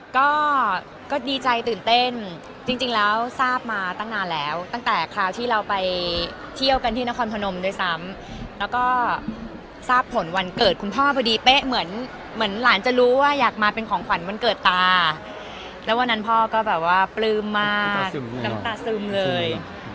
ก็ดีใจตื่นเต้นจริงแล้วทราบมาตั้งนานแล้วตั้งแต่คราวที่เราไปเที่ยวกันที่นครพนมด้วยซ้ำแล้วก็ทราบผลวันเกิดคุณพ่อพอดีเป๊ะเหมือนเหมือนหลานจะรู้ว่าอยากมาเป็นของขวัญวันเกิดตาแล้ววันนั้นพ่อก็แบบว่าปลื้มมากน้ำตาซึมเลย